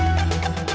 saya juga ngantuk